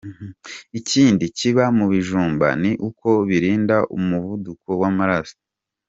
Ikindi kiba mu bijumba ni uko birinda umuvuduko w’amaraso.